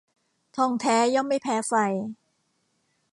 ทองแท้ย่อมไม่แพ้ไฟ